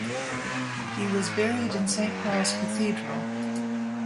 He was buried in Saint Paul's Cathedral.